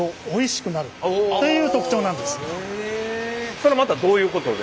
それはまたどういうことで？